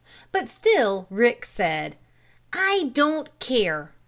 But still Rick said: "I don't care!"